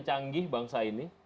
canggih bangsa ini